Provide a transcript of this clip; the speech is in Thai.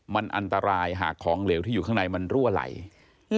มันอันตรายหากของเหลวที่อยู่ข้างในมันรั่วไหลอืม